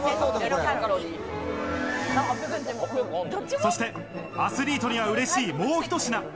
そしてアスリートにはうれしい、もうひと品。